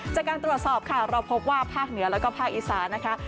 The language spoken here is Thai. จากการตรวจสอบค่ะเราพบว่าภาคเหนือแล้วก็ภาคอีสานนะคะ